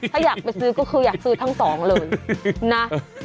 ถ้าอยากไปซื้อก็คืออยากซื้อทั้งสองเลยนะ